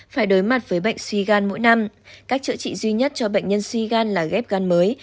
phải đối mặt với bệnh suy gan mỗi năm cách chữa trị duy nhất cho bệnh nhân suy gan là ghép gan mới